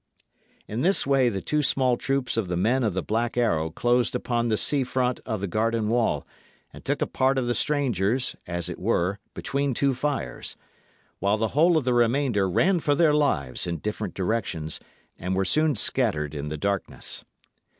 In this way the two small troops of the men of the Black Arrow closed upon the sea front of the garden wall, and took a part of the strangers, as it were, between two fires; while the whole of the remainder ran for their lives in different directions, and were soon scattered in the darkness.